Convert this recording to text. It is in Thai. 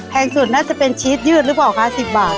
สุดน่าจะเป็นชีสยืดหรือเปล่าคะ๑๐บาท